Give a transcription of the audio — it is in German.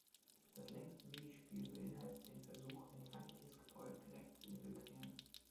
Das längste Minispiel beinhaltet den Versuch, ein feindliches Gebäude direkt zu infiltrieren.